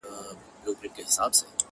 اوس دې تڼاکو ته پر لاري دي د مالګي غرونه!!